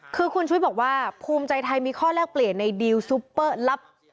คือคุณชุวิตบอกว่าภูมิใจไทยมีข้อแลกเปลี่ยนในดีลซุปเปอร์ลับ